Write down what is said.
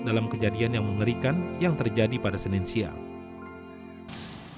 dalam kejadian yang mengerikan yang terjadi pada senin siang